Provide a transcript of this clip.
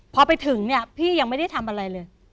พอไปถึงเนี่ยพี่ยังไม่ได้ทำอะไรเลย